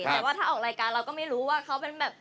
แต่ว่าถ้าออกรายการเราก็ไม่รู้ว่าเขาเป็นแบบ